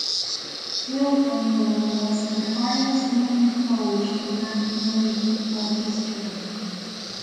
Wilford Moore was the highest winning coach in McMurry football history.